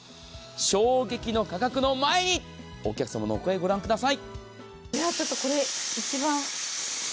衝撃の価格の前にお客さまのお声をご覧ください。